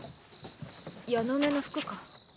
ヤノメの服か。